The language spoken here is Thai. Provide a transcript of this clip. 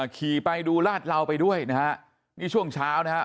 ขี่ไปดูลาดเหลาไปด้วยนะฮะนี่ช่วงเช้านะฮะ